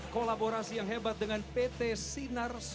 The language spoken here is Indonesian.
kolaborasi yang hebat dengan pt sinar